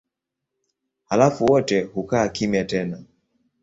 Halafu wote hukaa kimya tena.